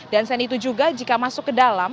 dan setelah itu juga jika masuk ke dalam